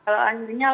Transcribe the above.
kalau anjingnya lama